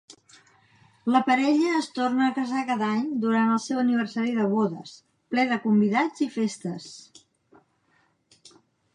La parella es torna a casar cada any durant el seu aniversari de bodes, ple de convidats i festes.